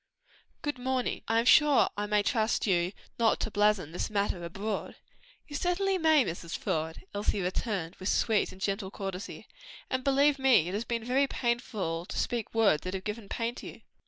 "Good morning. I am sure I may trust you not to blazon this matter abroad?" "You certainly may, Mrs. Faude," Elsie returned with sweet and gentle courtesy, "and believe me, it has been very painful to me to speak words that have given pain to you."